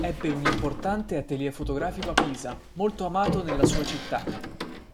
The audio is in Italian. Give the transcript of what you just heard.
Ebbe un importante atelier fotografico a Pisa, molto amato nella sua città.